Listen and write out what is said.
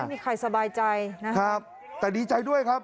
ไม่มีใครสบายใจนะครับแต่ดีใจด้วยครับ